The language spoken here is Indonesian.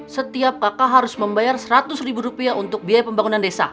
setiap kakak harus membayar seratus ribu rupiah untuk biaya pembangunan desa